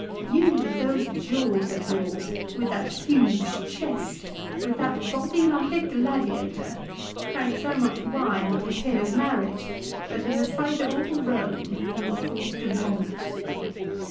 " You with those jaws of yours, with that huge chest, with that body like a gladiator, drank so much wine at Hippea's marriage that in the sight of all Rome you were forced to vomit."